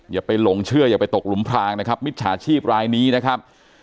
อย่าไปหลงเชื่ออย่าไปตกหลุมพรางนะครับมิจฉาชีพรายนี้นะครับ